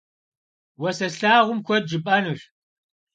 Уэ сэ слъагъум куэд жыпӏэнущ.